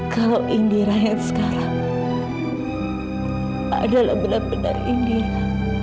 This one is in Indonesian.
kalau indira yang sekarang adalah benar benar indira